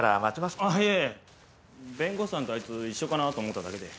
いえいえ弁護士さんとあいつ一緒かなと思っただけで。